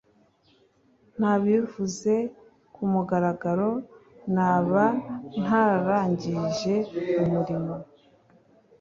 Ntabivuze ku mugaragaro naba ntarangije umurimo